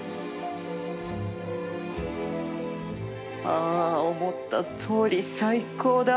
ああ思ったとおり最高だ！